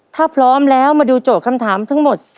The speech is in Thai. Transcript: ถ้าพร้อมแล้วมาดูโจทย์คำถามทั้งหมด